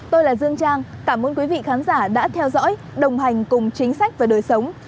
tôi là dương trang cảm ơn quý vị khán giả đã theo dõi đồng hành cùng chính sách và đời sống